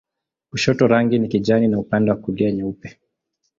Kushoto rangi ni kijani na upande wa kulia nyeupe.